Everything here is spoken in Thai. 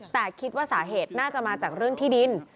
แต่คิดว่าสาเหตุน่าจะมาจากเรื่องที่ดิน